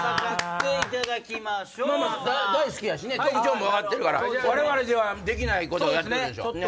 大好きやしね特徴も分かってるからわれわれではできないことをやってくれるでしょう。